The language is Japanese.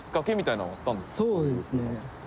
そうですね。